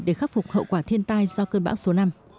để khắc phục hậu quả thiên tai do cơn bão số năm